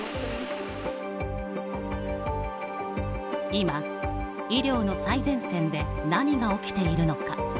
今、医療の最前線で何が起きているのか。